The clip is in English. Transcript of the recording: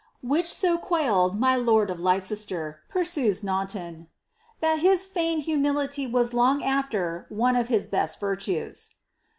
"* Which so quailed iny lord of Leicester," pursues Naunton, " that his feigned humility was long afler one of his best virtues."